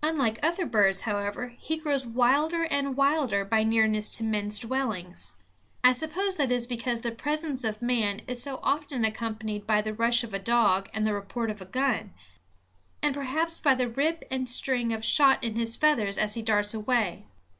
Unlike other birds, however, he grows wilder and wilder by nearness to men's dwellings. I suppose that is because the presence of man is so often accompanied by the rush of a dog and the report of a gun, and perhaps by the rip and sting of shot in his feathers as he darts away.